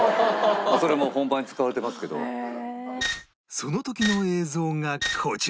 その時の映像がこちら